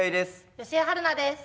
吉江晴菜です。